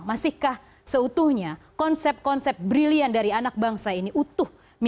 masihkah seutuhnya konsep konsep brilliant dari anak bangsa ini utuh